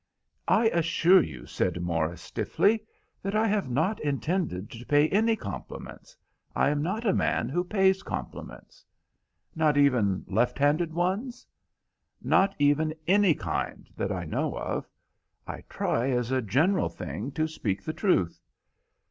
"I assure you," said Morris, stiffly, "that I have not intended to pay any compliments. I am not a man who pays compliments." "Not even left handed ones?" "Not even any kind, that I know of. I try as a general thing to speak the truth."